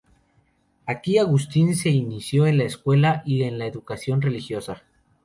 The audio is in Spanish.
Aquí Agustín se inició en la escuela y en la educación religiosa.